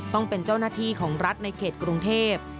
ต้องเป็นเจ้าหน้าที่ของรัฐในเขตกรุงเทพ